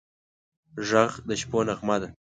غږ د شپو نغمه ده